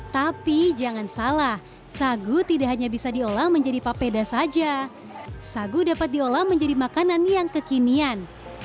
tapi jangan salah sagu tidak hanya bisa diolah menjadi papeda saja sagu dapat diolah menjadi makanan yang kekinian